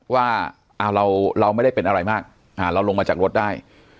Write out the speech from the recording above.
ว่าเราไม่ได้เป็นอะไรมากเราลงมาจากรถได้